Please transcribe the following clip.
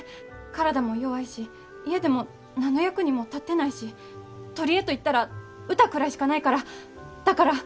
体も弱いし家でも何の役にも立ってないし取り柄と言ったら歌くらいしかないからだから。